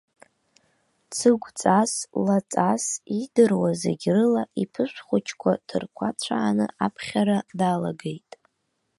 Цыгәҵас, лаҵас, иидыруаз зегьрыла, иԥышә хәыҷқәа ҭырқәацәааны, аԥхьара далагеит.